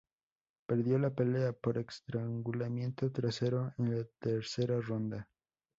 Perdió la pelea por estrangulamiento trasero en la tercera ronda.